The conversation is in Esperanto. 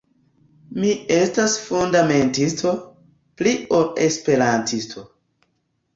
Mi estas fundamentisto, pli ol Esperantisto.